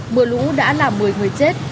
mưa lũ đã làm một mươi người chết